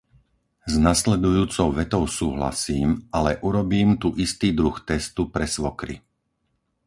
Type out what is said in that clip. S nasledujúcou vetou súhlasím, ale urobím tu istý druh testu pre svokry.